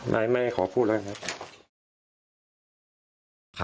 ไม่ไม่ขอพูดเรื่องนะครับ